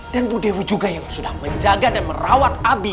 dan bu dewi juga yang sudah menjaga dan merawat nabi